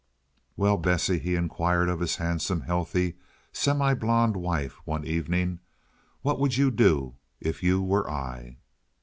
"Well, Bessie," he inquired of his handsome, healthy, semi blonde wife, one evening, "what would you do if you were I?"